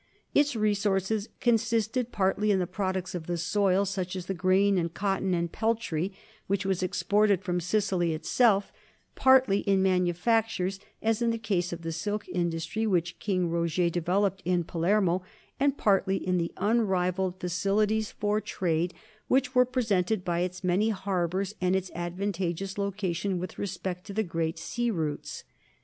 Its re sources consisted partly in the products of the soil, such as the grain and cotton and peltry which were exported from Sicily itself; partly in manufactures, as in the case of the silk industry which King Roger developed in Palermo ; and partly in the unrivalled facilities for trade 232 NORMANS IN EUROPEAN HISTORY which were presented by its many harbors and its ad vantageous location with respect to the great sea routes.